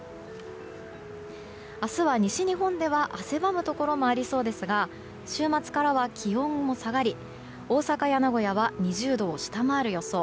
明日は、西日本では汗ばむところもありそうですが週末からは気温も下がり大阪や名古屋は２０度を下回る予想。